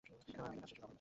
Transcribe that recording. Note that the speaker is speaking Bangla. এরপরই আমাদের কাজ শেষ।